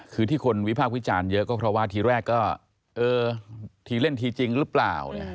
คือที่คนวิพากษ์วิจารณ์เยอะก็เพราะว่าทีแรกก็เออทีเล่นทีจริงหรือเปล่า